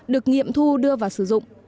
được nghiệm thu đưa vào sử dụng